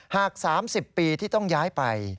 หาก๓๐ปีที่ต้องย้ายไป